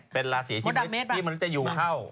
เป็นราศีที่มนุษย์จะอยู่เข้า